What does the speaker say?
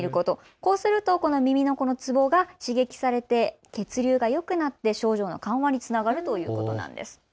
こうすると耳のつぼが刺激されて血流がよくなって症状の緩和につながるということなんです。